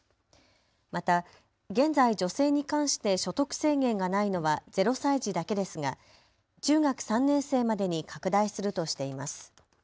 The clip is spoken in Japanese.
また現在、助成に関して所得制限がないのは０歳児だけですが中学３年生までに拡大するとしています。